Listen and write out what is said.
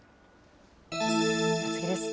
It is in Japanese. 次です。